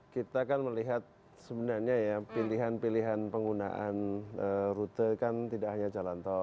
kita kan melihat sebenarnya ya pilihan pilihan penggunaan rute kan tidak hanya jalan tol